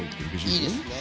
いいですね。